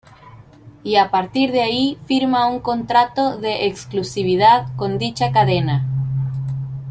Y a partir de ahí firma un contrato de exclusividad con dicha cadena.